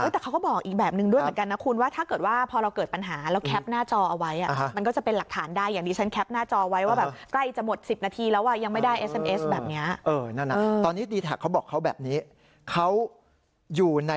แต่เขาก็บอกอีกแบบนึงด้วยเหมือนกันนะคุณ